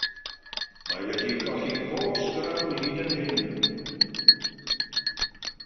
Mae wedi colli pob sgrym hyd yn hyn.